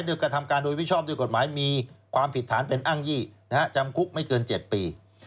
กระทำการโดยไม่ชอบด้วยกฎหมายมีความผิดฐานเป็นอ้างยี่จำคุกไม่เกิน๗ปี